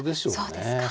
そうですか。